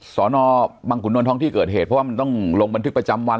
สอนอบังขุนนทลท้องที่เกิดเหตุเพราะว่ามันต้องลงบันทึกประจำวัน